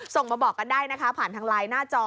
ส่งมาบอกกันได้นะคะผ่านทางไลน์หน้าจอ